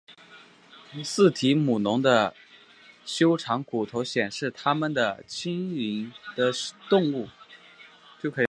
似提姆龙的修长骨头显示它们的轻盈的动物。